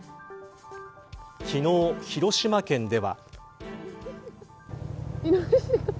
昨日、広島県では。